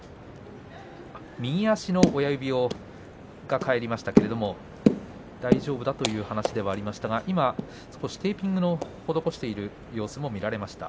右足の親指が返りましたけれども大丈夫だという話ではありましたが、今少しテーピングを施している様子も見られました